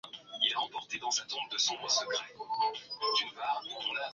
inayofanywa na Mamlaka ya Udhibiti wa Nishati na Petroli Aprili kumi na nne